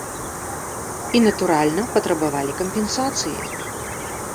І, натуральна, патрабавалі кампенсацыі.